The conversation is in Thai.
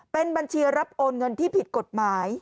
เป็นบัญชีรับโอนเงินที่ผิดกฎหมาย